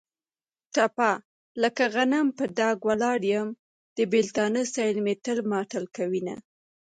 ټپه: لکه غنم په ډاګ ولاړ یم. د بېلتانه سیلۍ مې تېل ماټېل کوینه.